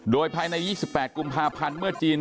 โดยภายใน๒๘กุมภาพันธ์เมื่อจีน